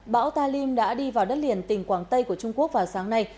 bão ta lim đã đi vào đất liền tỉnh quảng tây của trung quốc vào sáng nay